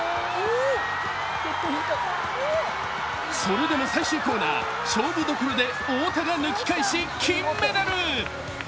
それでも最終コーナー、勝負どころで太田が抜き返し金メダル。